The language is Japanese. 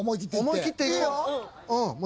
思い切っていこう。